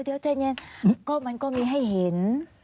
เดี๋ยวใจเย็นก็มันก็มีให้เห็น